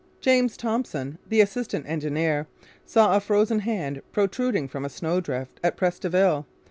James Thompson, the assistant engineer, saw a frozen hand protruding from a snowdrift at Pres de Ville.